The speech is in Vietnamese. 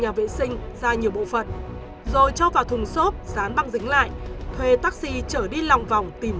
nhà vệ sinh ra nhiều bộ phận rồi cho vào thùng xốp dán băng dính lại thuê taxi trở đi lòng vòng tìm